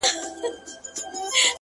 • له دغي لويي وچي وځم،